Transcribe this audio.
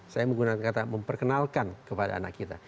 saya menggunakan kata memperkenalkan kepada anak kita